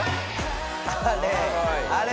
あれ。